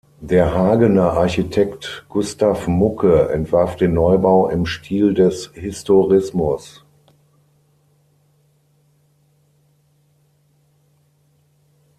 Der Hagener Architekt Gustav Mucke entwarf den Neubau im Stil des Historismus.